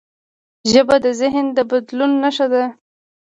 ژبه د ذهن د بدلون نښه ده.